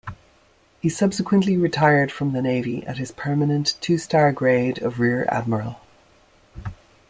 He subsequently retired from the Navy at his permanent two-star grade of rear admiral.